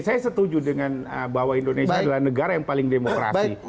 saya setuju dengan bahwa indonesia adalah negara yang paling demokrasi